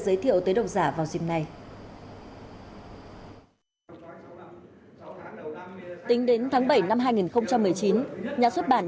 giới thiệu tới độc giả vào dịp này tính đến tháng bảy năm hai nghìn một mươi chín nhà xuất bản